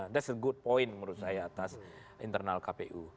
that's a good point menurut saya atas internal kpu